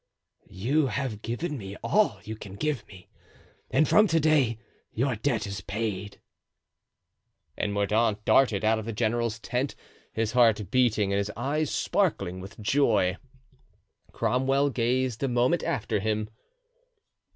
"You have given me all you can give me, and from to day your debt is paid." And Mordaunt darted out of the general's tent, his heart beating and his eyes sparkling with joy. Cromwell gazed a moment after him.